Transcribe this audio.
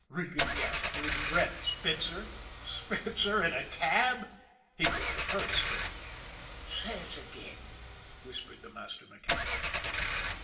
Regan gasped for his breath. Spitzer! SPITZER in a cab ! He couldn't have heard straight. " Say it again," whispered the master mechanic.